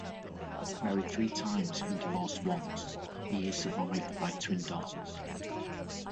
Married three times and divorced once, he is survived by twin daughters.